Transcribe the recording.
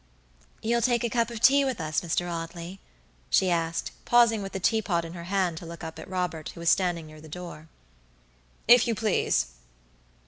"You'll take a cup of tea with us, Mr. Audley?" she asked, pausing with the teapot in her hand to look up at Robert, who was standing near the door. "If you please."